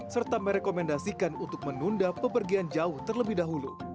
serta merekomendasikan untuk menunda pepergian jauh terlebih dahulu